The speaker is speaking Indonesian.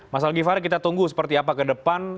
mas algifar kita tunggu seperti apa kedepan